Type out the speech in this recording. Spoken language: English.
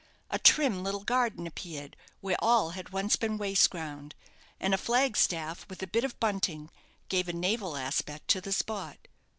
A trim little garden appeared where all had once been waste ground; and a flag staff, with a bit of bunting, gave a naval aspect to the spot.